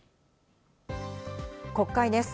国会です。